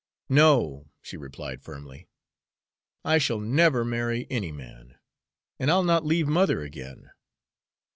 "No," she replied firmly, "I shall never marry any man, and I'll not leave mother again.